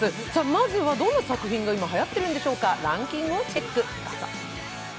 まずは、どんな作品が今はやっているんでしょうか、ランキングをチェック。